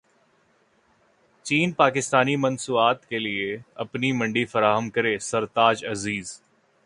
چین پاکستانی مصنوعات کیلئے اپنی منڈی فراہم کرے سرتاج عزیز